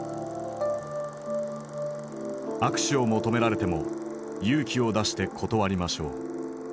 「握手を求められても勇気を出して断りましょう。